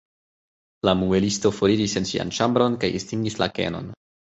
La muelisto foriris en sian ĉambron kaj estingis la kenon.